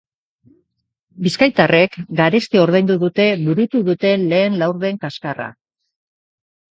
Bizkaitarrek garesti ordaindu dute burutu duten lehen laurden kaskarra.